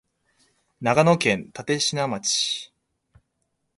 長野県立科町